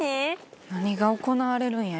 何が行われるんや？